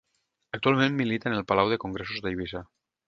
Actualment milita en el Palau de Congressos d'Eivissa.